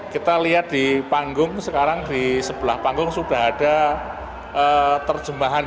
kita lihat di panggung sekarang di sebelah panggung sudah ada terjemahan